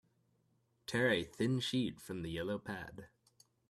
Tear a thin sheet from the yellow pad.